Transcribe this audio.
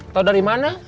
tau dari mana